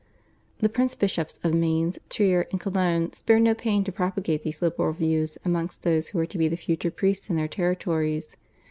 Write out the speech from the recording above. The Prince bishops of Mainz, Trier, and Cologne spared no pains to propagate these liberal views amongst those who were to be the future priests in their territories.